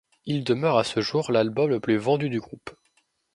Il demeure à ce jour l'album le plus vendu du groupe.